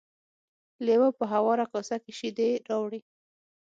لیوه په هواره کاسه کې شیدې راوړې.